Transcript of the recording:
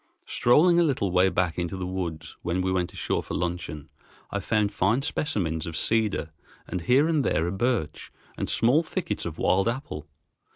Strolling a little way back into the woods when we went ashore for luncheon, I found fine specimens of cedar, and here and there a birch, and small thickets of wild apple.